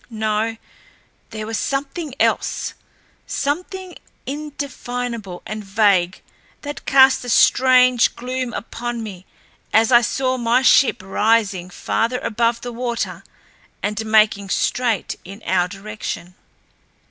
No, there was something else, something indefinable and vague that cast a strange gloom upon me as I saw my ship rising farther above the water and making straight in our direction.